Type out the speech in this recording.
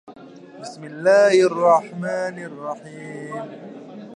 بسم الله الرحمن الرحیم